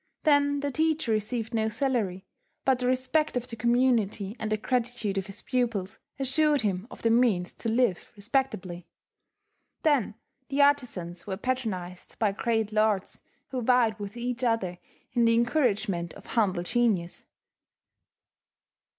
Then the teacher received no salary; but the respect of the community and the gratitude of his pupils assured him of the means to live respectably. Then the artizans were patronized by great lords who vied with each other in the encouragement of humble genius.